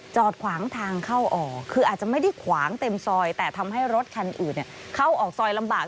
จอดขวางทางเข้าออกคืออาจจะไม่ได้ขวางเต็มซอยแต่ทำให้รถคันอื่นเข้าออกซอยลำบาก